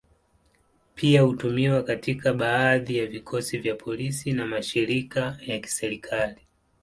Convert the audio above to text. Pia hutumiwa katika baadhi ya vikosi vya polisi na mashirika ya kiserikali.